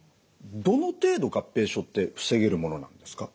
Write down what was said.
どの程度合併症って防げるものなんですか？